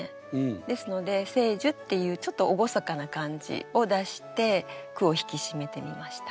ですので「聖樹」っていうちょっと厳かな感じを出して句を引き締めてみました。